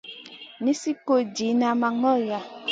Nizi kul diyna ma ŋola.